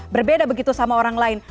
berbeda begitu sama orang lain